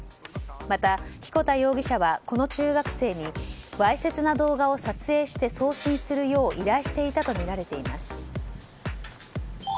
また、彦田容疑者はこの中学生にわいせつな動画を撮影して送信するよう依頼していたとみられています。